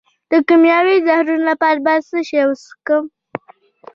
د کیمیاوي زهرو لپاره باید څه شی وڅښم؟